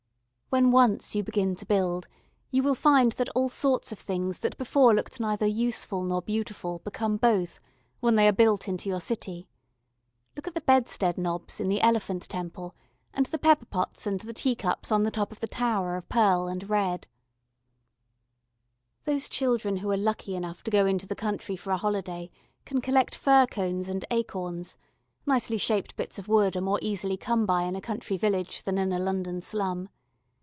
When once you begin to build, you will find that all sorts of things that before looked neither useful nor beautiful become both, when they are built into your city. Look at the bedstead knobs in the Elephant Temple, and the pepper pots and the tea cups on the top of the tower of pearl and red. [Illustration: TOWERS AND COCOANUT COTTAGE.] Those children who are lucky enough to go into the country for a holiday can collect fir cones and acorns; nicely shaped bits of wood are more easily come by in a country village than in a London slum.